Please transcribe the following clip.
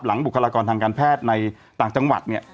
บุคลากรทางการแพทย์ในต่างจังหวัดเนี่ย